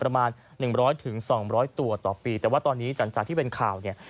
ประมาณหนึ่งร้อยถึงสองร้อยตัวต่อปีแต่ว่าตอนนี้หลังจากที่เป็นข่าวเนี่ย